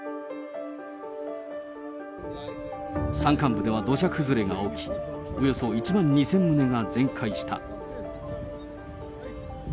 山間部では土砂崩れが起き、およそ１万２０００棟が全壊した。